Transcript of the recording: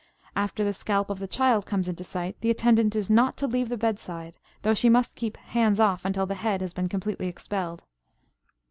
After the scalp of the child comes into sight, the attendant is not to leave the bed side, though she must keep "hands off" until the head has been completely expelled.